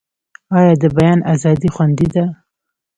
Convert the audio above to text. آیا د بیان ازادي خوندي ده؟